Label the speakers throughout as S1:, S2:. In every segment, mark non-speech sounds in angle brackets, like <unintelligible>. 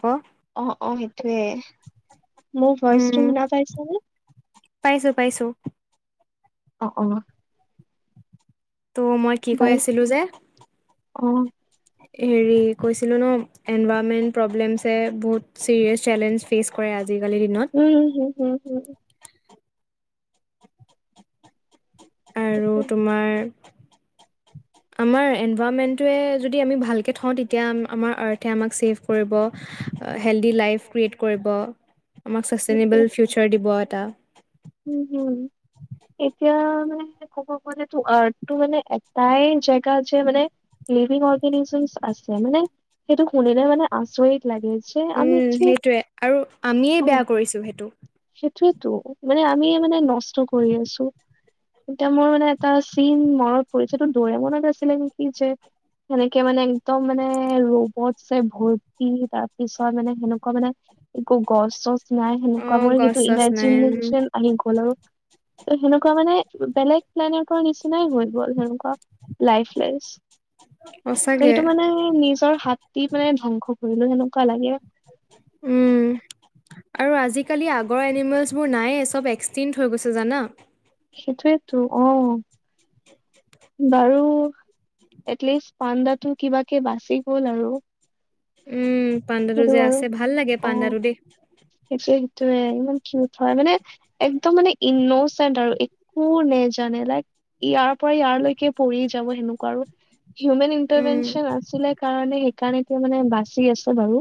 S1: ক'?
S2: অ' অ'! সেইটোৱে। মোৰ ভইচটো শুনা পাইছানে?
S1: পাইছোঁ, পাইছোঁ।
S2: <unintelligible>
S1: ত' মই কি কৈ
S2: বাৰু
S1: আছিলোঁ, যে?
S2: অ'!
S1: হেৰি, কৈছিলোঁ ন'! এনভাৰৰনমেন্ট প্ৰব্লেমছে, বহুত চিৰিয়াছ চেলেঞ্জ, ফেচ কৰে, আজিকালিৰ দিনত।
S2: উম! <unintelligible>
S1: আৰু
S2: সেইটোৱে
S1: তোমাৰ
S2: <inaudible>
S1: আমাৰ এনভাইৰমেণ্টটোৱে, যদি আমি ভালকে থওঁ, তেতিয়া আমাৰ আৰ্থে, আমাক ছেভ কৰিব। হেল্ডি লাইফ ক্ৰিয়েট কৰিব। আমাক
S2: সেইটোৱে
S1: ছাষ্টেইনেবল ফিউচাৰ দিব এটা।
S2: উম, হু! এতিয়া মানে, ক'ব গ'লেতো, আৰ্টটো মানে, এটাই জেগা যে মানে। লিভিং অৰ্গেনিজম আছে। মানে, সেইটো শুনিলে মানে, আচৰিত! লাগে যে আমি
S1: উম,
S2: যে
S1: সেইটৱে। আৰু আমিয়ে, বেয়া কৰিছোঁ সেইটো।
S2: সেইটৱেতো! মানে, আমি মানে, নষ্ট কৰি আছোঁ। এতিয়া মোৰ মানে, এটা চিন মনত পৰিছে! এইটো দৌৰে, মনত আছিলে নেকি, যে। সেনেকে মানে, একদম মানে, ৰবটছে ভৰ্তি, তাৰ পিছত মানে, সেনেকুৱা মানে। একো, গছ -চছ নাই।
S1: অ
S2: সেনেকুৱা মই,
S1: গছ
S2: সেইটো
S1: চছ নাই
S2: ইমেজিন আহি গ'ল আৰু। ত' সেনেকুৱা মানে, বেলেগ প্লেনেটৰ নিচিনাই হৈ গ'ল, সেনেকুৱা। লাইফ লেঞ্চ, ত'
S1: সঁচাকে
S2: সেইটো মানে, নিজ নিজৰ হাত দি মানে, ধ্বংস কৰিলোঁ, সেনেকোৱা লাগে।
S1: উম
S2: <inaudible>
S1: আৰু আজিকালি আগৰ এনিমেলছবোৰ নায়ে! চব এক্সটিংট হৈ গৈছে জানা।
S2: সেইটোৱেতো, অ'! বাৰু এটলিষ্ট, পাণ্ডাতো কিবাকে বাচি গ'ল আৰু।
S1: উম, পাণ্ডাটো
S2: সেইটো
S1: যে
S2: আৰু
S1: আছে, ভাল লাগে!
S2: অ
S1: পাণ্ডাত উঠি।
S2: সেইটোৱে- সেইটোৱে, ইমান কিউত হয়! মানে। একদম মানে, ইনচেণ্ট আৰু। একো নেজানে, লাইক ইয়াৰ পৰা, ইয়াৰলৈকে পৰি যাব, সেনেকুৱা আৰু। হিউমেন
S1: উম,
S2: ইণ্টাৰভেনচন আছিলে কাৰণে, সেইকাৰণে, এতিয়া মানে, বাচি আছে বাৰু।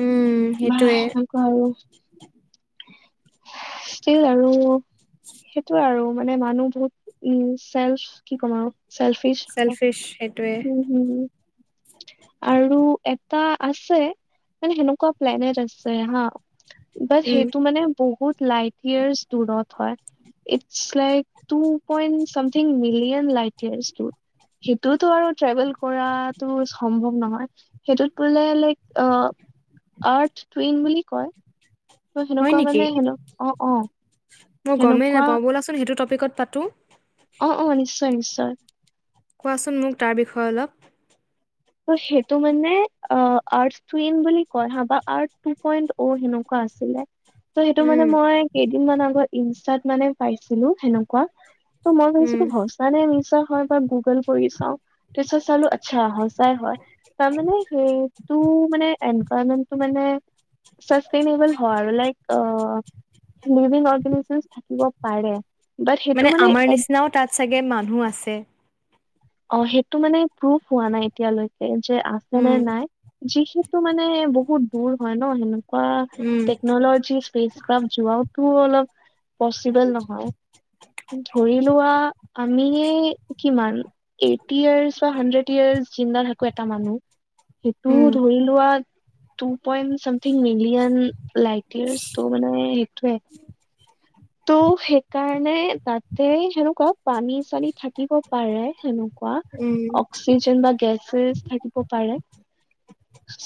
S1: উম, সেইটোৱে
S2: সেনেকোৱা আৰু। <unintelligible> ষ্টীল আৰু সেইটোৱে আৰু মানে, মানুহ বহুত উম, চেল্ফ কি ক'ম আৰু! চেল্ফিচ।
S1: <unintelligible> সেইটোৱে।
S2: উম, হু, হু! আৰু এটা আছে। মানে, সেনেকুৱা প্লেনেট আছে, হা। বাট
S1: উম,
S2: সেইটো মানে বহুত লাইট ইয়াৰ্চ দূৰত হয়। It's like two point something million light ইয়াৰ্চটোত কিবা টো আৰু ট্ৰেভেল কৰাটো সম্ভৱ নহয় সেইটোত বোলে like uh uh uh earth twin বুলি কয় ত'
S1: হয়
S2: সেনেকুৱা
S1: নেকি?
S2: মানে হেন অ', অ'।
S1: মই গমেই
S2: সেনেকুৱা
S1: নাপাওঁ বলাচোন সেইটো টপিকত পাতো।
S2: অ' অ', নিশ্চয়-নিশ্চয়।
S1: কোৱাচোন মোক তাৰ বিষয়ে অলপ।
S2: ত' সেইটো মানে অ, আৰ্থটুইন বুলি কয় হা বা আৰ্থ টো পইণ্ট অ হেন কোৱা আছিলে। ত' সেইটো
S1: উম,
S2: মানে মই কেইদিন মান আগত ইনষ্টাত মানে পাইছিলো সেনেকুৱা। ত' মই
S1: উম।
S2: ভাবিছিলোঁ সঁচা নে মিছা হয় বা গুগল কৰি চাও তাৰপিছত চালো আচ্ছা সঁচাই হয় তাৰমানে সেইটো মানে এনভাইৰমেণ্টটো মানে চাচষ্টেনেবল হয় আৰু like uh uh uh uh, living অৰ্গেনাইজেচৰ থাকিব পাৰে। বাট সেইটো
S1: মানে আমাৰ
S2: এক-
S1: নিচিনাও তাত চাগে মানুহ আছে।
S2: অ', সেইটো মানে প্ৰুফ হোৱা নাই এতিয়ালৈ। এই যে আছে
S1: উম,
S2: নে নাই যিহেতু মানে বহুত দূৰ হয় ন সেন কোৱা
S1: উম,
S2: টেকনলজি স্পেচ ক্ৰাফ যোৱাওটো অলপ পচিবেল নহয়। ধৰি লোৱা আমিয়ে কিমান? এইটি ইয়াৰ্চ বা হাণ্ড্ৰেড ইয়াৰ্চ জিন্দা থাকো এটা মানুহ সেইটোও
S1: উম।
S2: ধৰি to earth two point something million light years ত' মানে সেইটোৱে। ত' সেইকাৰণে তাতে সেনেকুৱা পানী চানি থাকিব পাৰে হেনু কোৱা
S1: উম,
S2: অক চি চি। কিচেন বা গেছ চিলিণ্ডাৰ থাকিব পাৰে।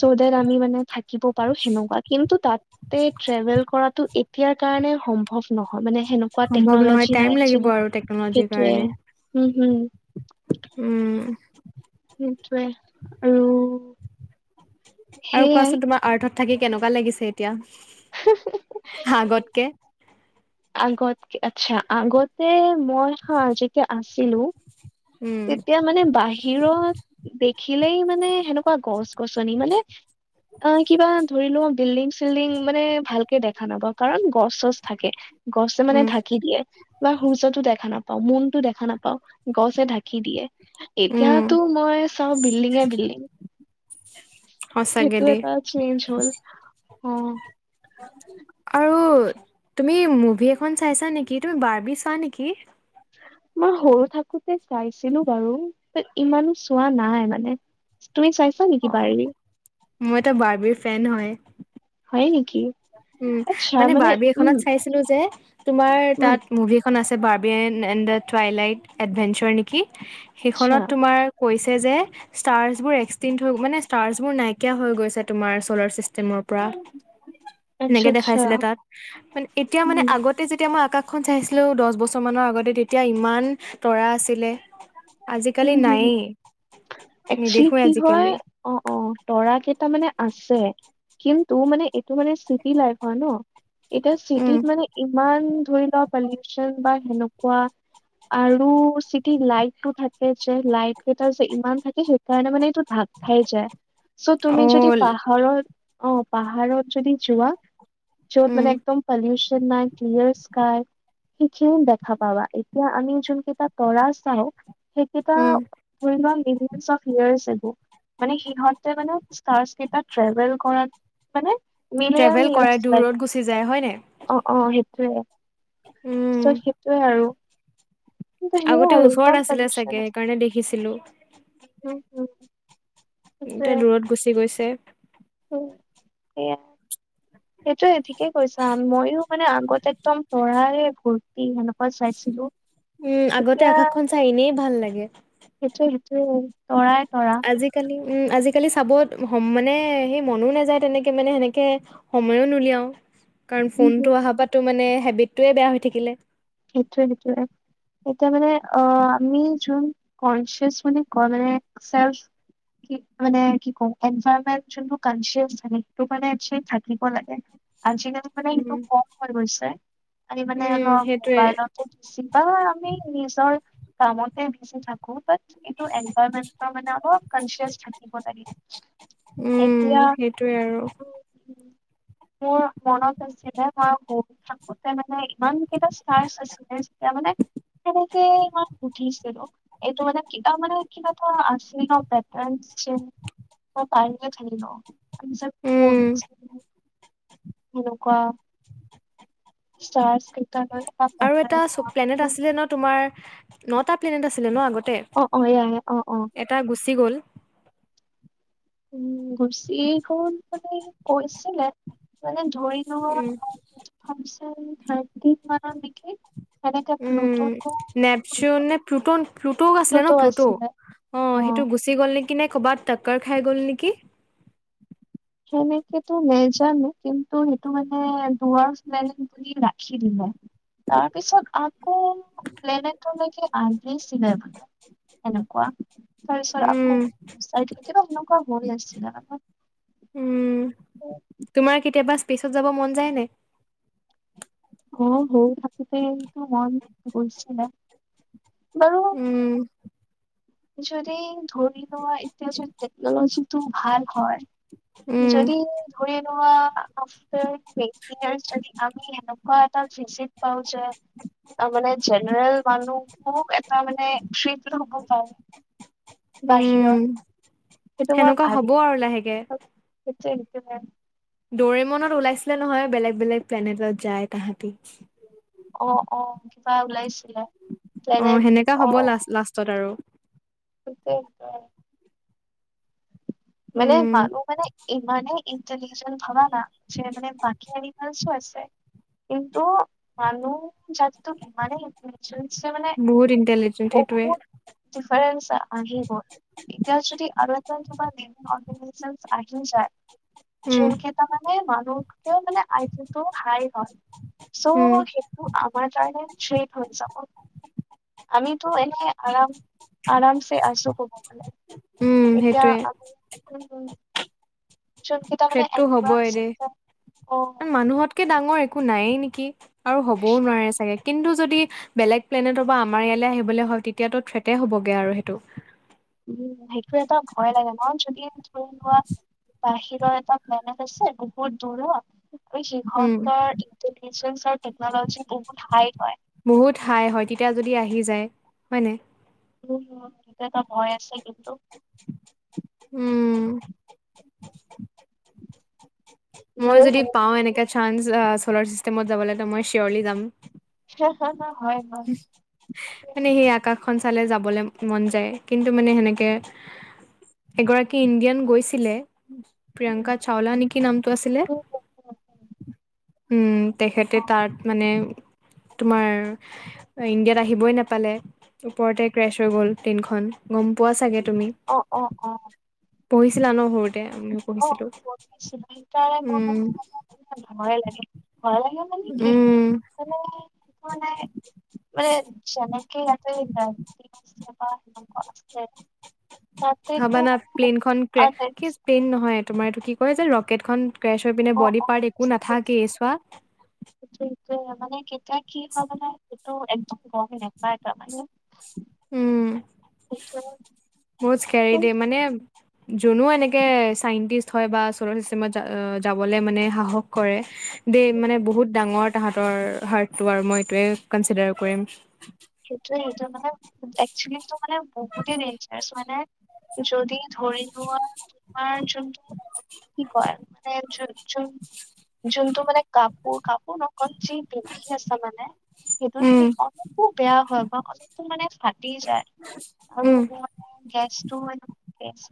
S2: চো দেট আমি মানে উচ কিব পাৰো সেনেকুৱা কিন্তু তাতে ট্ৰেভেল কৰাটো এতিয়াৰ কাৰণে সম্ভৱ নহয় মানে সেনেকুৱা
S1: সম্ভৱ নহয়
S2: টেকনলজি নাই
S1: টাইম লাগিব
S2: একচুয়েলী
S1: আৰু টেকনলজিৰ
S2: সেইটোৱে হুম- হুম।
S1: টুক উম উ উ।
S2: সেইটোৱে আৰু
S1: আৰু
S2: সেইয়াই
S1: কোৱাচোন তোমাৰ আৰ্থত থাকি কেনেকুৱা লাগিছে এতিয়া হা আগতকে?
S2: আগতকে আচ্ছা আগতে মই হা যেতিয়া আছিলো
S1: উম,
S2: তেতিয়া মানে বাহিৰত দেখিলেই মানে সেনেকুৱা গছ -গছনি মানে অ ই কিবা ধৰি লোৱা বিল্ডিংছ বিল্ডিং মানে ভালকে দেখা নাব কাৰণ গছ-চছ থাকে গছে মানে
S1: উম,
S2: ঢাকি দিয়ে। বা সূৰ্যটো দেখা নাপাও মুনটো দেখা নাপাও গছে ঢাকি দিয়ে।
S1: উম,
S2: এতিয়াতো মই চাওঁ বিল্ডিঙে বিল্ডিং।
S1: সঁচাকে
S2: সেইটো
S1: দেই
S2: এটা চেঞ্জ হ'ল হা অ অ।
S1: আৰু তুমি মুভি এখন চাইছা নেকি? তুমি বাৰ্বি চোৱা নেকি?
S2: মই সৰু থাকোতে চাইছিলো বাৰু তে ইমানো চোৱা নাই মানে তুমি চাইছা নেকি
S1: অ',
S2: বাৰ্বি?
S1: মই এটা বাৰ্বিৰ ফেন হয়।
S2: হয় নেকি?
S1: উম আহ
S2: আচ্ছা
S1: মানে বাৰ্বি
S2: উম
S1: এখনত চাইছিলো যে তোমাৰ
S2: উম
S1: তাত মুভি। এখন আছে Barbie N and the টুৱাই light adventure নেকি
S2: আচ্ছা
S1: সেইখনত তোমাৰ কৈছে যে ষ্টাৰ্চ বোৰ এক্সটিং হৈ মানে ষ্টাৰ্চ বোৰ নাইকিয়া হৈ গৈছে তোমাৰ চলাৰ চিষ্টেমৰ পৰা।
S2: আচ্ছা
S1: সেনেকে
S2: আচ্ছা
S1: দেখাইছিলে তাত ই ই ই মানে এতিয়া মানে
S2: উম
S1: আগত তাতে যেতিয়া মই আকাশখন চাইছিলো দহ বছৰ মানৰ আগতে তেতিয়া ইমান তৰা আছিলে। আজিকালি
S2: উম হম
S1: নায়েই নেদেখোৱে আজিকালি।
S2: অ অ অ অ, তৰা কেইটা মানে আছে কিন্তু মানে এইটো মানে চিটি লাইফ হয় ন। এতিয়া
S1: উম
S2: চিটিত মানে ইমান ধৰিলোৱা পলিউচন বা সেনেকুৱা। আৰু চিটিত লাইটটো থাকে। এই যে লাইট কেইটা যে ইমান থাকে সেই কাৰণে মানে এইটো ভাগ খাই যায়। চ' তুমি যদি
S1: অল
S2: পাহাৰত অ, পাহাৰত যদি যোৱা য'ত
S1: উম
S2: মানে একদম পলিউচন নাই। বুলস্কায় সেইখিনি দেখা পাবা এতিয়া আমি যোন কেইটা তৰা চাওঁ এটা
S1: উম
S2: পৰিমান <unintelligible> লৈ আছিলোঁ মানে সিহঁতে মানে ষ্টাৰ্চ কেইটা ট্ৰেভেল কৰাত মানে মিলিয়ন
S1: ট্ৰেভেল
S2: ইয়াৰ্চ
S1: কৰে
S2: লাগে
S1: দূৰত গুচি যায় হয় নে?
S2: অ', অ', সেইটোয়ে
S1: উম
S2: চ' সেইটোয়ে আৰু। কিন্ত সেয়ে
S1: আগতে
S2: আৰু
S1: ওচৰত
S2: ইমান
S1: আছিলে চাগে
S2: পলিউচন <unintelligible>
S1: সেইকাৰণে দেখিছিলো
S2: উম, হম।
S1: এতিয়া দূৰত গুচি গৈছে।
S2: উম, এয়া। সেইটোৱে ঠিকেই কৈছা ময়ো মানে আগতে একদম পঢ়াৰে ঘূৰ্তি সেনেকুৱা চাইছিলোঁ।
S1: উম, আগতে আকাশখন চাই এনেই ভাল লাগে।
S2: সেইটোৱে -সেইটোৱে তৰাই তৰা।
S1: আজিকালি উম, আজিকালি চাবত মানে সেই মনো নাযায় তেনেকে মানে সেনেকে সময়ো নুলিয়াও কাৰণ
S2: উম,
S1: ফোনটো
S2: হুম,
S1: অহাপা টো মানে হেবিটটোয়ে বেয়া হৈ থাকিলে।
S2: সেইটোৱে - সেইটোৱে। এতিয়া মানে অ, আমি যোন কনচিয়ছ মানে কয় মানে একচাৰ্চ মানে কি কওঁ এনভাৰ্ণমেন্টচনটো কনচিয়েচ থাকে সেইটো মানে একচোলি থাকিব লাগে। আজিকালি মানে
S1: উম,
S2: এইটো কম হৈ গৈছে আৰে মানে
S1: উম,
S2: অলপ
S1: সেইটোৱে
S2: মোবাইলত <unintelligible> আমি নিজৰ কামতে বিচি থাকোঁ বট এইটো এনভাৰ্মেণ্টৰ মানে অলপ কনচিয়াছ থাকিব লাগে।
S1: উম,
S2: এতিয়া
S1: সেইটোয়ে আৰু।
S2: মোৰ মনত আছিলে মই সৰু থাকোতে মানে ইমান কেইটা টায়াৰ্চ আছিলে যেতিয়া মানে কে ইমান সুধিছিলোঁ। এইটো মানে কিবা মানে কিবাটো আছে ন ' পেটাৰ্ণ চেন মই পাৰিম
S1: উম,
S2: <unintelligible> সেনেকুৱা <unintelligible>
S1: আৰু এটা
S2: পেটাৰ্ণ
S1: চ প্লেনেট আছিলে ন' তোমাৰ নটা প্লেনেট আছিলে ন' আগতে?
S2: অ', অ', এয়াই অ', অ',
S1: এটা গুচি গ'ল।
S2: উম, গুচি গ'ল মানে কৈছিলে মানে ধৰি
S1: উম,
S2: ফাংচন থাৰ্টি মানৰ নেকি। সেনেকে
S1: উম,
S2: প্লুট'টো
S1: নেপচুন নে প্লুটন প্লুটগ আছিলে ন' প্লুট? অ, সেইটো গুচি গ'ল নেকি নে ক'বাত টক্কৰ খাই গল নেকি?
S2: সেনেকেতো নেজানো কিন টো সেইটো মানে দুৱাৰ <unintelligible> বুলি ৰাখি দিলে তাৰপিছত আ আকৌ প্লেনেটলৈকে আহিছিলে মানে হেনেকোৱা। তাৰপিছত আকৌ
S1: উম।
S2: দুই, চাৰিদিন কিবা সেনেকুৱা হৈ আছিলে মানে
S1: উম, তোমাৰ কেতিয়াবা স্পেচত যাব মন যায় নে?
S2: অ, সৰু থাকোতে মন গৈছিলে বাৰু
S1: উম,
S2: যদি ধৰি লোৱা এতিয়া যদি টেকনলজিটো ভাল হয়
S1: উম,
S2: যদি ধৰি লোৱা আফটাৰ তেন ইয়াৰ্ছ যদি আমি সেনে কোৱা এটা ফিজিট পাউজে আ, মানে জেনেৰেল মানুহ খুব এটা মানে <unintelligible> হব পায়ে। বাহিৰত
S1: উম,
S2: সেইটো মই
S1: সেনেকুৱা হ'ব
S2: ভাবি
S1: আৰু লাহেকে।
S2: <unintelligible>
S1: ডৰেমনত ওলাইছিলে নহয় বেলেগ -বেলেগ প্লেনেটত যায় তাহাঁতি?
S2: অ', অ', কিবা ওলাইছে।
S1: উম, সেনেকা হ'ব লাষ্ট লাষ্টত আৰু।
S2: <unintelligible> মানে
S1: উম
S2: মানু্হ মানে ইমানে ইনটেলিজেণ্ট ভন না যে মানে বাকী এনিমেলছ আছে, কিন্তু মানুহ যাতটো ইমানেই যে মানে
S1: বহুত ইণ্টেলিজেন্ট সেইটোৱে
S2: বহুত দিফাৰেন্স আহিবই, এতিয়া যদি আৰু এটা কিবা দি আৰ্টিফিছেলছ আহি যায়,
S1: উম
S2: কোনকেইটা তাৰমানে মানুহ সেইপিনে আইটো হাই হয় চ'
S1: উম
S2: সেই ত আমাৰ কাৰনে থ্ৰেট হৈ যাব। আমিতো এনে আৰাম আৰামছে আছো কব গলে।
S1: উম
S2: এতিয়া
S1: সেইটোৱে
S2: আমি যোনকেইটা মানে
S1: থ্ৰেডটো হ'ব এ
S2: এনিমেলছ
S1: দে
S2: আছে অ'
S1: মানুহত কে ডাঙৰ একো নায়েই নেকি? আৰু হ'বও নোৱাৰে চাগে? কিন্তু যদি বেলেগ প্লেনেটৰ পৰা আমাৰ ইয়ালৈ আহিবলৈ হয় তেতিয়াতো থ্ৰেটে হ'বগে আৰু সেইটো।
S2: উম সেইটো এটা ভয় লাগে নহয় যদি ধৰি লোৱা বাহিৰৰ এটা নেনেট আছে বহুত দূৰত। আৰু
S1: উম
S2: সিহঁতৰ ইন্টেলিজেঞ্চ আৰু টেকনলজি বহুত হাই হয়।
S1: বহুত হাই হয় তেতিয়া যদি আহি যায় হয় নাই?
S2: এইটো এটা ভয় আছে কিন্তু।
S1: উম মই
S2: ধৰি
S1: যদি
S2: হেৰি
S1: পাওঁ এনেকা চাঞ্চ চলাৰ চিষ্টেমত যাবলে ত' মই চৰলি যাম।
S2: হা হা হয় হয়।
S1: মানে সেই আকাশখন চালে যাবলৈ মন যায়, কিন্তু মানে সেনেকে- এগৰাকী ইণ্ডিয়ান গৈছিলে। প্ৰিয়ংকা চাওলা নেকি নামটো আছিলে উম। তেখেতে তাত মানে তোমাৰ ইণ্ডিয়াত আহিবই নাপালে, ওপৰতে ক্ৰেছ হৈ গ'ল ট্ৰেইনখন গম পোৱা চাগে? তুমি
S2: অ অ অ
S1: পঢ়িছিলা ন সৰুতে আমি
S2: অ
S1: পঢ়িছিলো,
S2: পঢ়িছিলো সেইকাৰণে মোৰ
S1: উম।
S2: মানে অলপ ভয় লাগে, ভয় লাগে মানে কি
S1: উম
S2: মানে মানাই মানে যেনেকে আত দ আ- অ অ আছে। তাতেতো
S1: হবানা প্লেনখন ক্ৰে
S2: মানে
S1: কিছ। প্লেন নহয় তোমাৰ এইটো কি কয় যে ৰকেটখন ক্ৰেছ হৈ পিনে
S2: অ
S1: বডি পাৰ্ট একো
S2: অ
S1: নাথাকেই চোৱা।
S2: সেইটোৱে মানে কেতিয়া কি হয় মানে। এক গ নাৰ ত <unintelligible>
S1: উম বহজ কিয়াৰি দে
S2: কিন্তু
S1: মানে - যোনো এনেকে চাইন্টিষ্ট হয় বা চ'লাৰ চিষ্টেমত যাবলৈ মানে সাহস কৰে। দেই মানে বহুত ডাঙৰ তাহতৰ হাৰ্টটো আৰু মই এইটোৱে কনচিডাৰ কৰিম।
S2: সেইটোৱে সেইটো মানে একচেলি মানে বহুতে ডেঞ্জাৰছ মানে। যদি ধৰি লোৱা- তোমাৰ যোনটো কি কয় মানে যোনটো মানে- কাপোৰ কাপোৰ লগত যি পিন্ধি আছে মানে, সেইটো
S1: উম
S2: যদি অলপ- বেয়া হয় বা অলপ মানে ফাটি যায় আৰু
S1: উম
S2: ম গেছটো।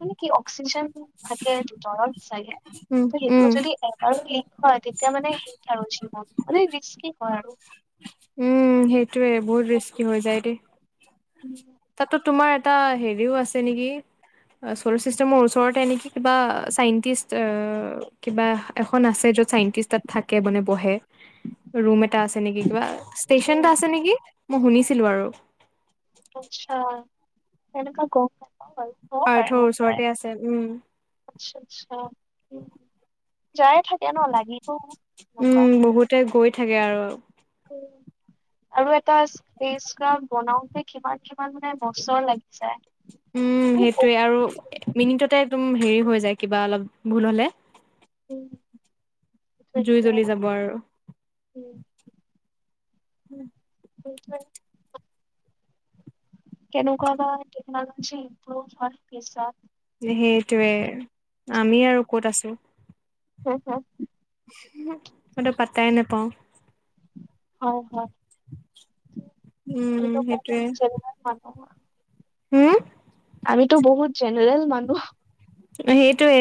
S2: মানে কি অক্সিজেন থাকে ভিতৰত চাগে
S1: উম
S2: সেইটো
S1: উম
S2: যদি- হয় তেতিয়া মানে শেষ আৰু জীৱন মানে ৰিস্কি হয় আৰু।
S1: উ সেইটোৱে বহুত ৰিস্কি হৈ যায় দেই।
S2: উম
S1: তাতো তোমাৰ এটা হেৰিও আছে নেকি। চ'লাৰ চিষ্টেমৰ ওচৰতে নেকি কিবা চাইন্টিষ্ট কিবা- এখন আছে য'ত চাইন্টিষ্ট তাত থাকে, মানে বহে।
S2: <unintelligible>
S1: ৰুম এটা আছে নেকি কিবা ষ্টেচন এটা আছে নেকি মই শুনিছিলো আৰু।
S2: আচ্ছা, তেনেকা গম নাপাওঁ। বাৰু হ'ব পাৰে
S1: পাৰ্থৰ
S2: হ'ব পাৰে
S1: ওচৰতে আছে, উ'ম।
S2: আচ্ছা, আচ্ছা যায়ে থাকে ন লাগিব, সেনেকুৱা।
S1: সিহঁতে গৈ থাকে আৰু।
S2: অ'। আৰু এটা ফেচ স্ক্ৰাব বনাওতে কিমান কিমান মানে বছৰ লাগি যায়?
S1: উ'ম,
S2: মানে
S1: সেইটোৱে
S2: বহুত
S1: আৰু মিনিটতে একদম হেৰি হৈ যায় কিবা অলপ ভুল হলে।
S2: উ'ম।
S1: জুই জ্বলি যাব আৰু।
S2: উ'ম। <unintelligible> কেনেকুৱা বা টেকনলজি ইম্প্ৰভ হয় পিছত।
S1: সেইটোৱে আমি আৰু ক'ত আছো।
S2: হয়, হয়।
S1: মইটো পাত্তাই নাপাওঁ।
S2: হয়, হয়
S1: উম
S2: আমিতো
S1: সেইটোৱে
S2: বহুত জেগাৰ মানুহৰ
S1: হু'ম?
S2: আমিতো বহুত জেনেৰেল মানুহ।
S1: সেইটোৱে।